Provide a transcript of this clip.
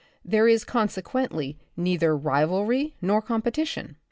There is, consequently, nei ther rivalry nor competition.